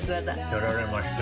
やられました。